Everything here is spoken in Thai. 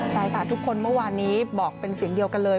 ใช่ค่ะทุกคนเมื่อวานนี้บอกเป็นเสียงเดียวกันเลย